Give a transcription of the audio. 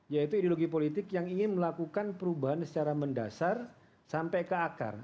yaitu ideologi politik yang ingin melakukan perubahan secara mendasar sampai ke akar